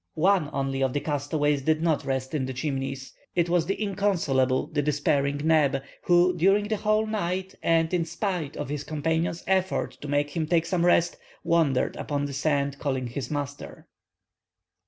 One only of the castaways did not rest in the Chimneys. It was the inconsolable, the despairing Neb, who, during the whole night, and in spite of his companions' efforts to make him take some rest, wandered upon the sands calling his master.